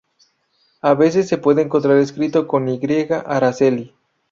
A veces se puede encontrar escrito con 'Y': Aracely.